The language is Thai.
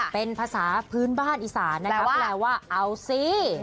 เป็นภาษาพื้นบ้านอีสานนะคะแปลว่าเอาสิ